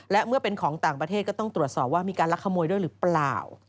และเมื่อเป็นของต่างประเทศก็ต้องตรวจสอบว่ามีการลักขโมยด้วยหรือเปล่า